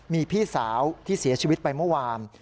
มีพี่สาวที่เสียชีวิตไปเมื่อวาน